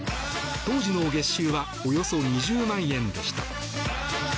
当時の月収はおよそ２０万円でした。